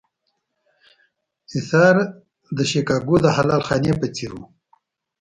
اېثار د شیکاګو د حلال خانې په څېر و.